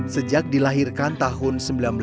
sejak dilahirkan tahun seribu sembilan ratus sembilan puluh